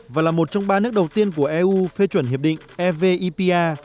và là một trong ba nước đầu tiên của eu phê chuẩn hiệp định evipa